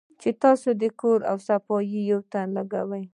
چې تاسو د کور پۀ صفائي يو تن ولګوۀ